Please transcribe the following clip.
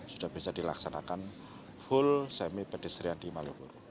sudah bisa dilaksanakan full semi pedestrian di malioboro